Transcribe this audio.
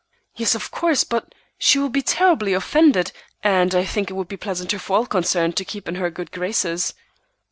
"Yes, of course; but she will be terribly offended, and I think it would be pleasanter for all concerned to keep in her good graces."